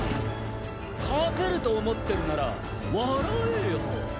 勝てると思ってるなら笑えよ。